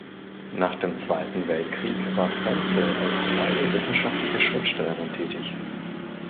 Nach dem Zweiten Weltkrieg war Frenzel als freie wissenschaftliche Schriftstellerin tätig.